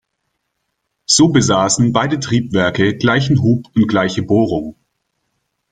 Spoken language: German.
So besaßen beide Triebwerke gleichen Hub und gleiche Bohrung.